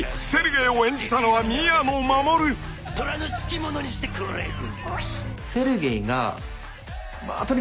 虎の敷物にしてくれる。